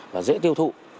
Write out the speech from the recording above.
và dễ tiêu thụ